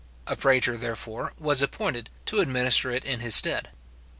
A praetor, therefore, was appointed to administer it in his stead.